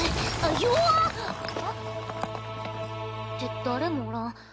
って誰もおらん。